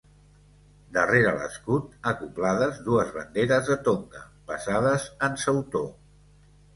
Darrere l'escut, acoblades, dues banderes de Tonga passades en sautor.